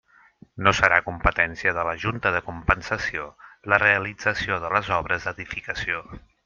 No serà competència de la Junta de Compensació la realització de les obres d'edificació.